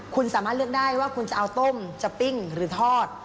คุณสามารถเลือกได้ว่าคุณจะเอาต้มจะปิ้งหรือทอด